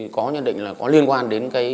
có nhận định là có liên quan đến cái